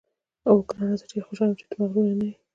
اوه ګرانه، زه ډېره خوشاله یم چې ته مغرور نه یې.